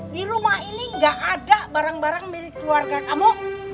di rumah ini gak ada barang barang milik keluarga kamu